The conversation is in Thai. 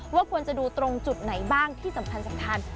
ว่าควรจะดูตรงจุดไหนบ้างที่สำคัญ